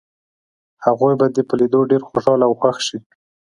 هغوی به دې په لیدو ډېر خوشحاله او خوښ شي.